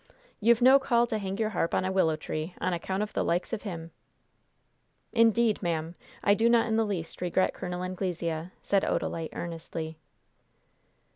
You've no call to hang your harp on a willow tree, on account of the likes of him!" "Indeed, ma'am, I do not in the least regret Col. Anglesea," said Odalite, earnestly.